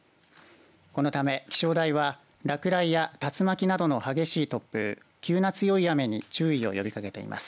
このため、気象台は落雷や竜巻などの激しい突風急な強い雨に注意を呼びかけています。